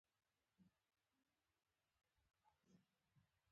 او په ورته وخت کې د نورو نظر نه منل مانا ورکوي.